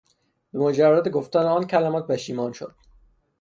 به مجرد گفتن آن کلمات پشیمان شد.